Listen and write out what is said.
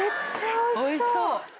おいしそう。